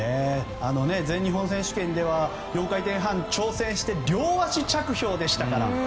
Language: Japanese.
全日本選手権では４回転半、挑戦して両足着氷でしたから。